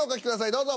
どうぞ。